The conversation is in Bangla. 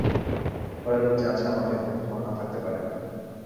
ফলের লোভ যে আছে আমাদের, তোমার না থাকতে পারে।